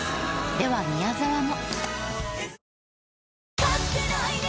では宮沢も。